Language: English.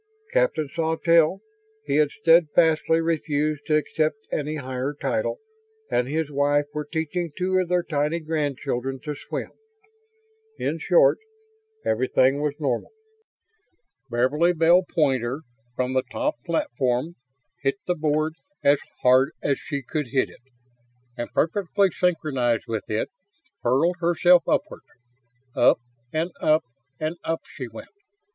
Captain Sawtelle he had steadfastly refused to accept any higher title and his wife were teaching two of their tiny grandchildren to swim. In short, everything was normal. Beverly Bell Poynter, from the top platform, hit the board as hard as she could hit it; and, perfectly synchronized with it, hurled herself upward. Up and up and up she went.